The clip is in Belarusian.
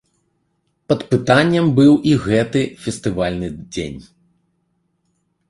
Пад пытаннем быў і гэты фестывальны дзень.